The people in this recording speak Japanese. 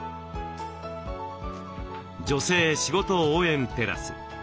「女性しごと応援テラス」。